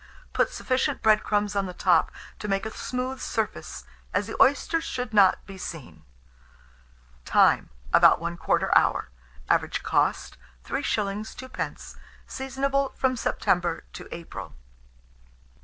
Put sufficient bread crumbs on the top to make a smooth surface, as the oysters should not be seen. Time. About 1/4 hour. Average cost, 3s. 2d. Seasonable from September to April.